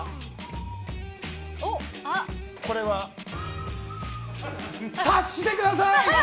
これは、察してください。